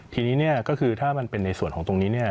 ทีนี้เนี่ยก็คือถ้ามันเป็นในส่วนของตรงนี้เนี่ย